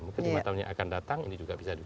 mungkin lima tahun yang akan datang ini juga bisa